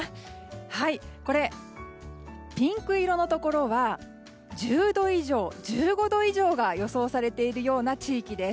ピンク色のところは１０度以上、１５度以上が予想されているような地域です。